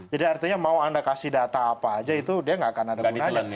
jadi artinya mau anda kasih data apa aja itu dia nggak akan ada gunanya